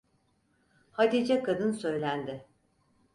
Hatice kadın söylendi.